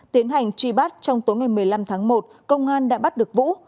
tiến hành truy bắt trong tối ngày một mươi năm tháng một công an đã bắt được vũ